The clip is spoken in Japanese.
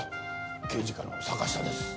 刑事課の坂下です。